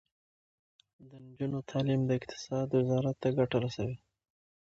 د نجونو تعلیم د اقتصاد وزارت ته ګټه رسوي.